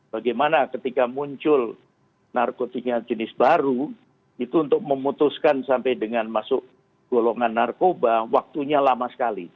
bagaimana ketika muncul narkotika jenis baru itu untuk memutuskan sampai dengan masuk golongan narkoba waktunya lama sekali